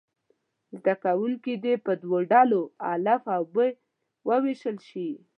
زده کوونکي دې په دوو ډلو الف او ب وویشل شي.